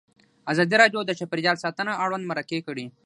ازادي راډیو د چاپیریال ساتنه اړوند مرکې کړي.